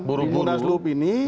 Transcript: di munaslub ini